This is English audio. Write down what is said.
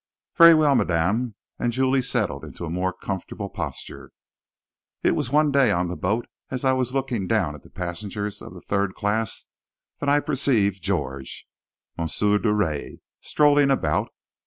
"Very well, madame," and Julie settled into a more comfortable posture. "It was one day on the boat as I was looking down at the passengers of the third class that I perceived Georges M. Drouet strolling about.